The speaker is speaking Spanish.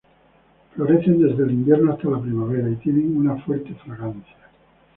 Florecen desde el invierno hasta la primavera y tienen una fuerte fragancia.